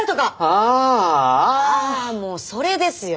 ああもうそれですよ